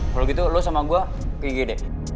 kalau gitu lo sama gue igd